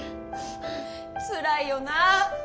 つらいよなあ。